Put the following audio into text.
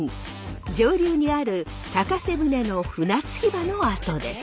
上流にある高瀬舟の船着き場の跡です。